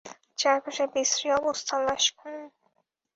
চারপাশে বিশ্রী অবস্থা, লাশ-খুন!